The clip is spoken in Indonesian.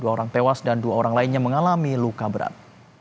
dua orang tewas dan dua orang lainnya mengalami luka berat